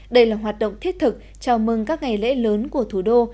đây là hoạt động thiết thực chào mừng các ngày lễ lớn của thủ đô